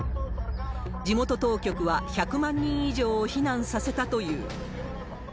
地元当局は１００万人以上を避難させたという。